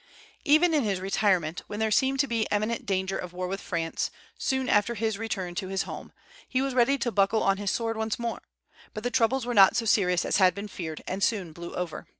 Even in his retirement, when there seemed to be imminent danger of war with France, soon after his return to his home, he was ready to buckle on his sword once more; but the troubles were not so serious as had been feared, and soon blew over.